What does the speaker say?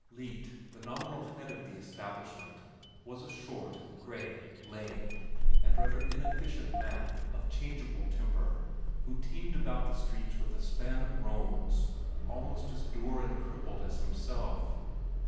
Leete, the nominal head of the establishment, was a short, gray, lame and rather inefficient man of changeable temper who teamed about the streets with a span of roans almost as dour and crippled as himself.